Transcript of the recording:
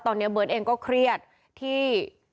ตอนนี้เบิร์ตเองก็เครียดที่